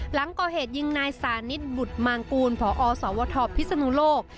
หลังก่อเหตุยิงนายสานิทบุตรมางกูลพอสวทพิศนุโลก